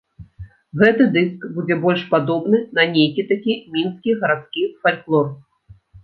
Гэты дыск будзе больш падобны на нейкі такі мінскі гарадскі фальклор.